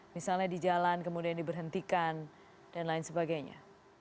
misalnya di jalan kemudian diberhentikan dan lain sebagainya